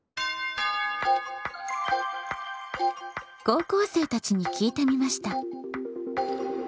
高校生たちに聞いてみました。